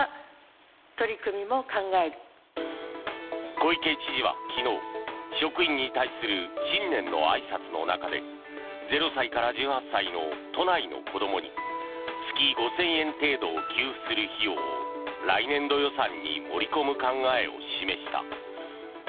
小池知事は昨日、職員に対する新年のあいさつの中で０歳から１８歳の都内の子どもに月５０００円程度を給付する費用を来年度予算に盛り込む考えを示した。